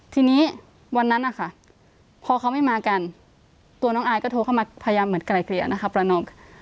ทีนี้วันนั้นนะคะพอเขาไม่มากันตัวน้องอายก็โทรเข้ามาพยายามเหมือนไกลเกลี่ยนะคะประนอม